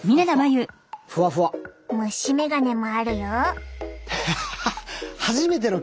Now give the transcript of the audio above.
虫眼鏡もあるよ。